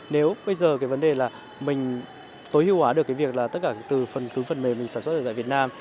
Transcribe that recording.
nếu bây giờ cái vấn đề là mình tối hưu hóa được cái việc là tất cả từ phần cứ phần mềm mình sản xuất ở tại việt nam